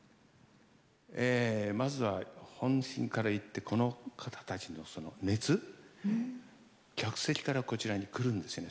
えまずは本心から言ってこの方たちのその熱客席からこちらに来るんですよね